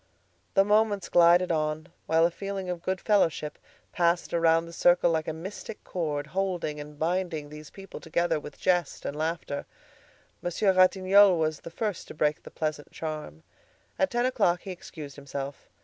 The moments glided on, while a feeling of good fellowship passed around the circle like a mystic cord, holding and binding these people together with jest and laughter. Monsieur Ratignolle was the first to break the pleasant charm. At ten o'clock he excused himself.